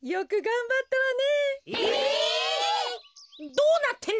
どうなってんだ？